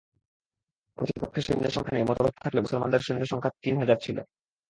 প্রতিপক্ষের সৈন্যসংখ্যা নিয়ে মতভেদ থাকলেও মুসলমানদের সৈন্য সংখ্যা তিন হাজার ছিল।